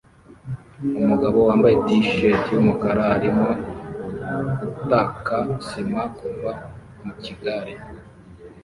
Umugabo wambaye t-shati yumukara arimo gutaka sima kuva mukigare